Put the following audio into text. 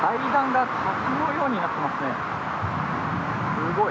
すごい。